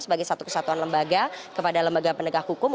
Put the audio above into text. sebagai satu kesatuan lembaga kepada lembaga penegak hukum